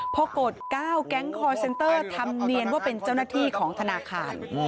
พอกด๙แก๊งคอร์เซนเตอร์ทำเนียนว่าเป็นเจ้าหน้าที่ของธนาคาร